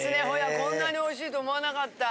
こんなにおいしいと思わなかった。